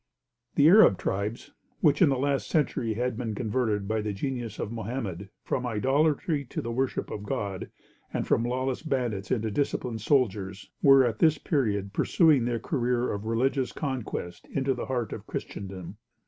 The Arab tribes, which in the last century had been converted, by the genius of Mohammed, from idolatry to the worship of God, and from lawless bandits into disciplined soldiers, were at this period pursuing their career of religious conquest into the heart of Christendom.